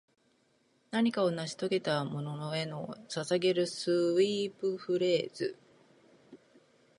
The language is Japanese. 何かを成し遂げたものへ捧げるスウィープフレーズ